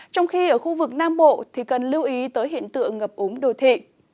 trong khi ở khu vực nam bộ thì cần lưu ý tới hiện tượng ngập úng đồ thị